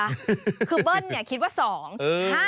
แม่ให้ทุกงวดเลย